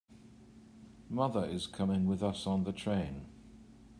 Mother is coming with us on the train.